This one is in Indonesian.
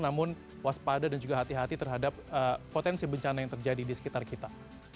namun waspada dan juga hati hati terhadap potensi bencana yang terjadi di sekitar kita